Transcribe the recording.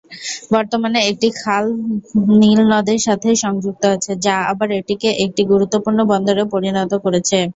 বর্তমানে, একটি খাল নীল নদের সাথে সংযুক্ত আছে, যা আবার এটিকে একটি গুরুত্বপূর্ণ বন্দরে পরিণত করেছে।